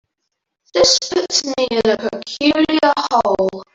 This puts me in a peculiar hole.